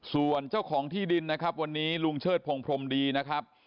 ส่วนเจ้าของที่ดินนะครับวันนี้ลุงเชิดพงพรมดีนะครับ